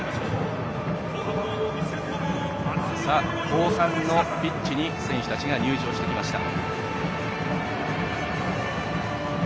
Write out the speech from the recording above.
後半のピッチに選手たちが入場してきました。